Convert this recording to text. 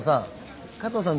加藤さん